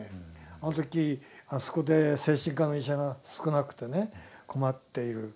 あの時あそこで精神科の医者が少なくてね困っている。